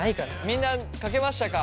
みんな書けましたか？